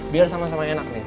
biar sama sama enak nih